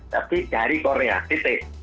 tapi dari korea tite